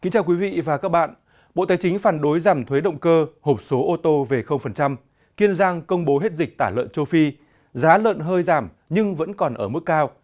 chào các bạn bộ tài chính phản đối giảm thuế động cơ hộp số ô tô về kiên giang công bố hết dịch tả lợn châu phi giá lợn hơi giảm nhưng vẫn còn ở mức cao